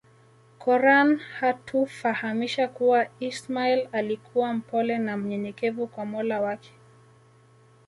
Quran yatufahamisha kuwa ismail alikua mpole na mnyenyekevu kwa mola wake